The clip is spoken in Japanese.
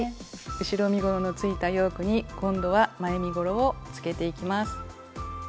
後ろ身ごろのついたヨークに今度は前身ごろをつけていきます。